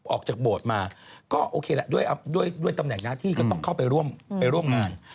ออกจากโบรตมาก็โอเคแหละโดยตำแหน่งนาฬิต้องเข้าไปร่วมงาน